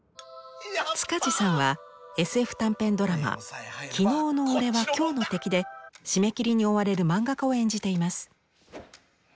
塚地さんはＳＦ短編ドラマ「昨日のおれは今日の敵」で締め切りに追われる漫画家を演じています。